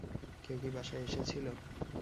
কেউ কী বাসায় এসেছিলো?